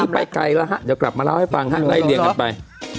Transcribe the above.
วันนี้ไปไกลแล้วฮะเดี๋ยวกลับมาเล่าให้ฟังฮะได้เรียนกันไป